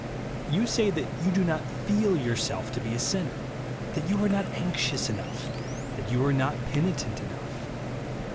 You say that you do not feel yourself to bo a sinner ; that you are not " anxious " enough ; that you are not " penitent " enough.